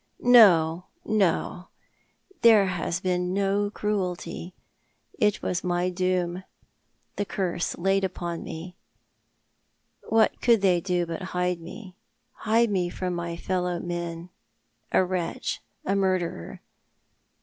" No, no, there has been no cruelty. It was my doom — the curse laid upon me. Wiiat could they do but hide me — hide me from my fellow men — a wretch — a murderer